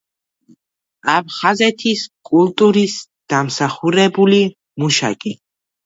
აფხაზეთის კულტურის დამსახურებული მუშაკი.